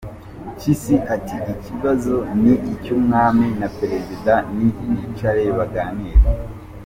Mpyisi ati “ ikibazo ni icy’ Umwami na perezida… ni bicare baganire”.